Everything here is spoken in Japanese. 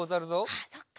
あそっか。